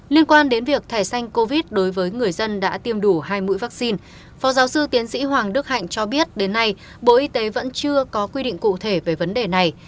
liên quan đến việc thải xanh covid đối với người dân đã tiêm đủ hai mũi vaccine phó giáo sư tiến sĩ hoàng đức hạnh cho biết đến nay bộ y tế vẫn chưa có quy định cụ thể về vấn đề này